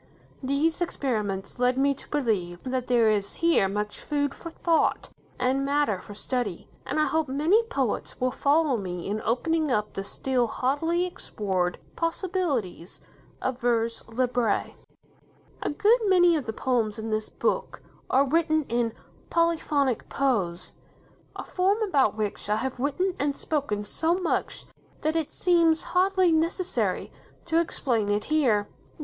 These experiments lead me to believe that there is here much food for thought and matter for study, and I hope many poets will follow me in opening up the still hardly explored possibilities of vers libre. A good many of the poems in this book are written in "polyphonic prose". A form about which I have written and spoken so much that it seems hardly necessary to explain it here.